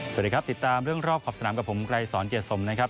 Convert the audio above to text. สวัสดีครับติดตามเรื่องรอบขอบสนามกับผมไกรสอนเกียรติสมนะครับ